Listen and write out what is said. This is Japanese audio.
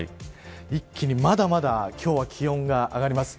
一気にまだまだ今日は気温が上がります。